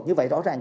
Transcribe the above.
như vậy rõ ràng